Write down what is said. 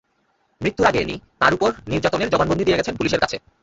মৃত্যুর আগে অ্যানি তাঁর ওপর নির্যাতনের জবানবন্দি দিয়ে গেছেন পুলিশের কাছে।